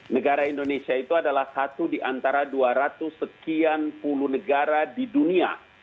negara indonesia itu adalah satu di antara dua ratus sekian puluh negara di dunia